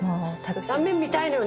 断面見たいのよ。